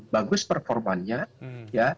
bagus performanya ya